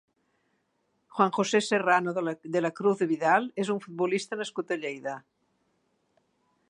Juan José Serrano de la Cruz Vidal és un futbolista nascut a Lleida.